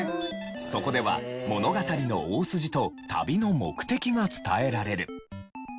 そこでは物語の大筋と旅の目的が伝えられる。